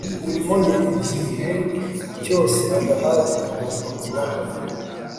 imirimo ye igihe cyose adahari igomba kubahwa